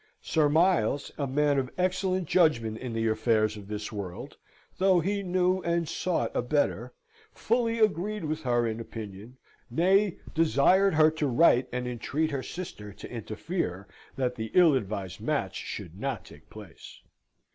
Sir Miles, a man of excellent judgment in the affairs of this world (though he knew and sought a better), fully agreed with her in opinion, nay, desired her to write, and entreat her sister to interfere, that the ill advised match should not take place.